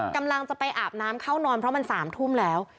กำลังจะไปอาบน้ำเข้านอนเพราะมัน๓ทุ่มแล้ว